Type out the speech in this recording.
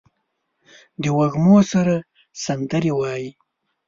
د وږمو سره سندرې وايي